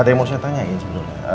ada yang mau saya tanyain sebetulnya